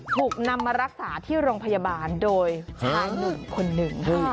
ถูกนำมารักษาที่โรงพยาบาลโดยชายหนุ่มคนหนึ่ง